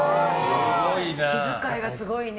気遣いがすごいな。